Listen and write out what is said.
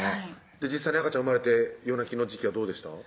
実際に赤ちゃん生まれて夜泣きの時期はどうでした？